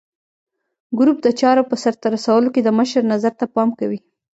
ګروپ د چارو په سرته رسولو کې د مشر نظر ته پام کوي.